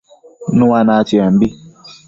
Nua natsiambi